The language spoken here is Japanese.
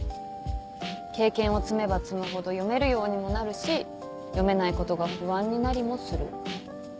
経験を積めば積むほど読めるようにもなるし読めないことが不安になりもする。